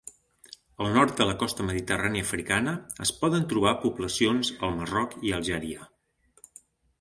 Al nord de la costa mediterrània africana es poden trobar poblacions al Marroc i Algèria.